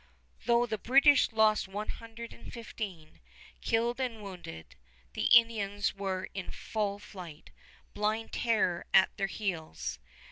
Though the British lost one hundred and fifteen, killed and wounded, the Indians were in full flight, blind terror at their heels.